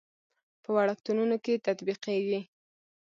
په وړکتونونو کې تطبیقېږي.